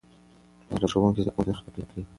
مهربان ښوونکی زده کوونکي نه خفه کوي.